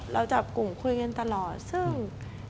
เราจับกลุ่มคุยกันตลอดซึ่ง